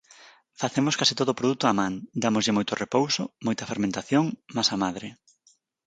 Facemos case todo o produto á man, dámoslle moito repouso, moita fermentación, masa madre.